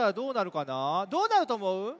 どうなるとおもう？